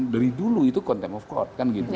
dari dulu itu konten of court